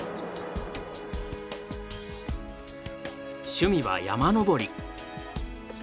趣味は山登り。